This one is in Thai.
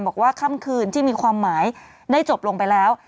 บอกว่าค่ำคืนที่มีความหมายได้จบลงไปแล้ว